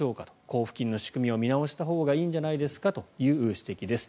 交付金の仕組みを見なしたほうがいいんじゃないですかという指摘です。